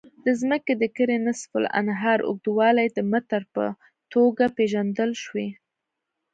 د ځمکې د کرې نصف النهار اوږدوالی د متر په توګه پېژندل شوی.